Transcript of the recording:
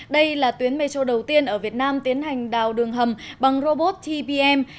đây là tuyến metro đầu tiên ở việt nam tiến hành đào đường hầm bằng robot tbm